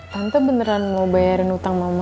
tante beneran mau bayarin utang mama